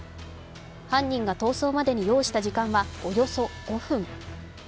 犯人が逃走までに要した時間はおよそ５分。